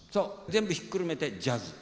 全部ひっくるめてジャズ。